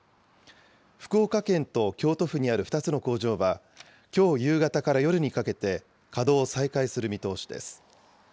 福岡県と京都府にある２つの工場は、きょう夕方から夜にかけて、稼働を再開する見通しです。